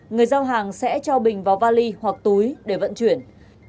người giao hàng sẽ cho bình vào vali hoặc túi để vận chuyển